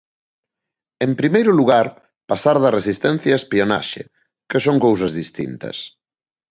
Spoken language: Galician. En primeiro lugar, pasar da resistencia á espionaxe, que son cousas distintas.